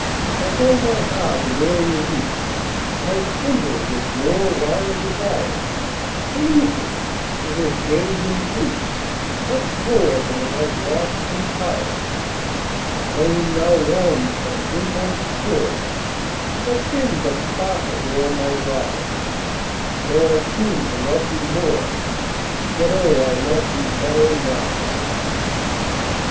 Altho' my heart in earlier youth Might kindle with more wild desire, Believe me, it has gained in truth Much more than it has lost in fire. The flame now warms my inmost core, That then but sparkled o'er my brow, And, though I seemed to love thee more, Yet, oh, I love thee better now.